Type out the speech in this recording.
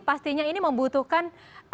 pastinya ini membutuhkan